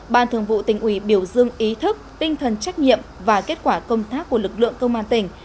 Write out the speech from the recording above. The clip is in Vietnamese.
ban thường vụ tỉnh ủy biểu dương ý thức tinh thần trách nhiệm và kết quả công tác của lực lượng công an tỉnh